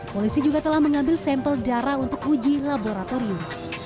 polisi juga telah mengambil sampel darah untuk uji laboratorium